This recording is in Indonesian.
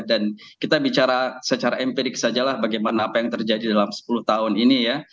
dan kita bicara secara empirik sajalah bagaimana apa yang terjadi dalam sepuluh tahun ini ya